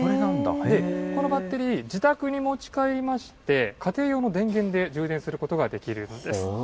このバッテリー、自宅に持ち帰りまして、家庭用の電源で充電することができるんです。